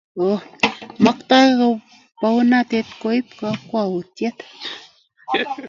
Maktoi baunatet koib kokwoutiet